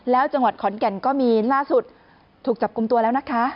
แล้วจังหวัดขอนแก่นก็มีล่าสุดถูกจับกลุ่มตัวแล้วนะคะ